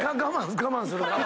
我慢する。